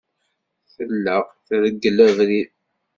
Tella treggel abrid.